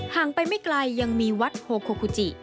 งไปไม่ไกลยังมีวัดโฮโคกุจิ